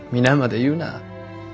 皆まで言うな。